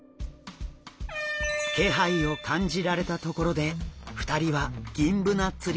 気配を感じられたところで２人はギンブナ釣りに挑戦！